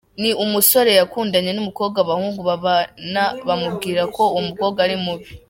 Ni umusore yakundanye n’ umukobwa abahungu babana bamubwira ko uwo mukobwa ari mubi.